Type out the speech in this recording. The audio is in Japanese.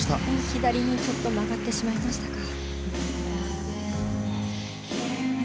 左にちょっと曲がってしまいましたか。